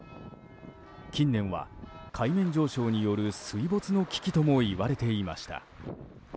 近年は海面上昇による水没の危機ともいわれていました。